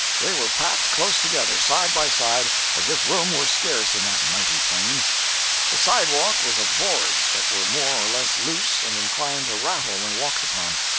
They were packed close together, side by side, as if room were scarce in that mighty plain. The sidewalk was of boards that were more or less loose and inclined to rattle when walked upon.